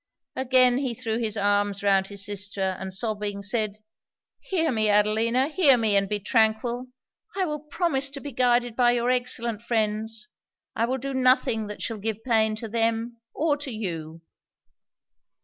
Again he threw his arms round his sister, and sobbing, said 'Hear me, Adelina hear me and be tranquil! I will promise to be guided by your excellent friends I will do nothing that shall give pain to them or to you!'